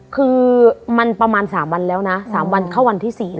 คือมันประมาณสามวันแล้วนะสามวันเข้าวันที่สี่แล้ว